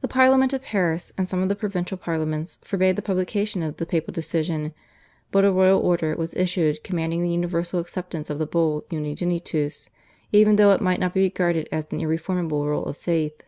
The Parliament of Paris and some of the provincial parliaments forbade the publication of the papal decision, but a royal order was issued commanding the universal acceptance of the Bull, /Unigenitus/, even though it might not be regarded as an irreformable rule of faith.